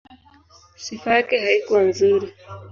Sifa yake haikuwa nzuri.